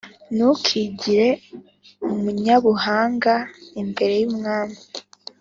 Ntukigire umunyabuhanga imbere y’umwami